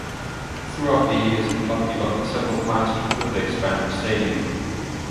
Throughout the years, the club developed several plans to further expand the stadium.